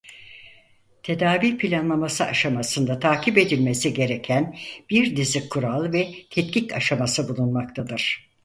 Tedavi planlaması aşamasında takip edilmesi gereken bir dizi kural ve tetkik aşaması bulunmaktadır.